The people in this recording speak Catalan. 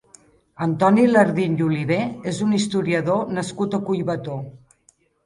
Antoni Lardín i Oliver és un historiador nascut a Collbató.